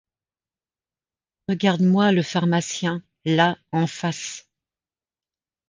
Regarde-moi le pharmacien, là, en face.